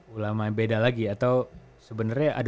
ulama yang beda lagi atau sebenarnya ada